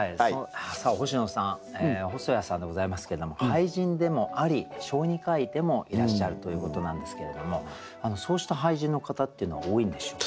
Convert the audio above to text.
さあ星野さん細谷さんでございますけれども俳人でもあり小児科医でもいらっしゃるということなんですけれどもそうした俳人の方っていうのは多いんでしょうか？